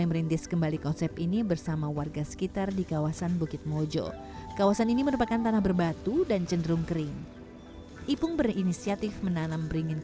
jadi kemungkinan untuk selanjutnya